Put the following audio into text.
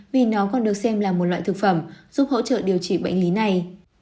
vì nó còn được xem là một loại thực phẩm giúp hỗ trợ điều trị bệnh lý này